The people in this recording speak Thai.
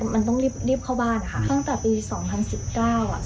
มันต้องรีบรีบเข้าบ้านนะคะตั้งแต่ปีสองพันสิบเก้าอ่ะ